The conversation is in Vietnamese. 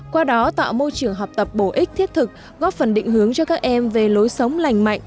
qua đó tạo môi trường học tập bổ ích thiết thực góp phần định hướng cho các em về lối sống lành mạnh